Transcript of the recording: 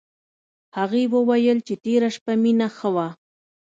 هغې وویل چې تېره شپه مينه ښه وه